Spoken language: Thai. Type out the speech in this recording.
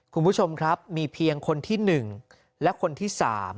คุณผู้ชมครับมีเพียงคนที่๑และคนที่๓